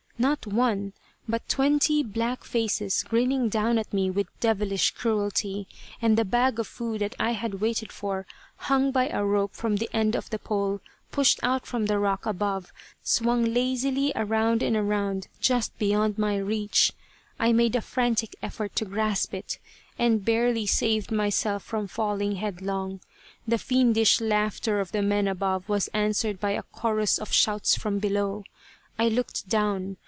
Not one, but twenty black faces grinning down at me with devilish cruelty. And the bag of food that I had waited for, hung by a rope from the end of the pole pushed out from the rock above, swung lazily around and around just beyond my reach. I made a frantic effort to grasp it, and barely saved myself from falling headlong. The fiendish laughter of the men above was answered by a chorus of shouts from below. I looked down.